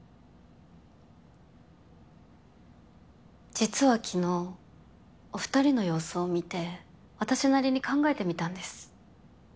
実は昨日お２人の様子を見て私なりに考えてみたんです。